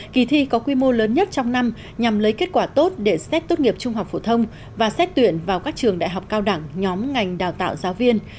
kỳ thi có quy mô lớn nhất trong năm nhằm lấy kết quả tốt để xét tốt nghiệp trung học phổ thông và xét tuyển vào các trường đại học cao đẳng nhóm ngành đào tạo giáo viên